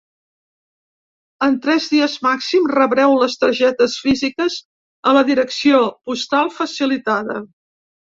En tres dies màxim rebreu les targetes físiques a la direcció postal facilitada.